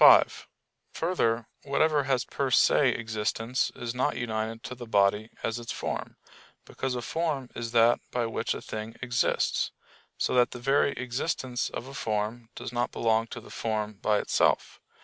5: Further, whatever has per se existence is not united to the body as its form; because a form is that by which a thing exists: so that the very existence of a form does not belong to the form by itself.